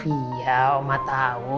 iya oma tau